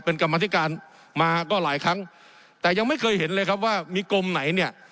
เป็นกรรมธิการมาก็หลายครั้งแต่ยังไม่เคยเห็นเลยครับว่ามีกรมไหนเนี่ย